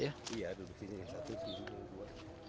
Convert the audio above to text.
iya duduk di sini